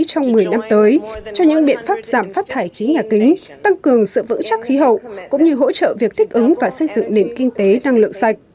trong một mươi năm tới cho những biện pháp giảm phát thải khí nhà kính tăng cường sự vững chắc khí hậu cũng như hỗ trợ việc thích ứng và xây dựng nền kinh tế năng lượng sạch